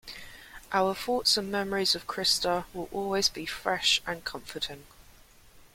Our thoughts and memories of Christa will always be fresh and comforting.